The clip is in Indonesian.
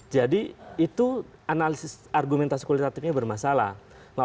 itu analisis argumentasi kualitatifnya bermasalah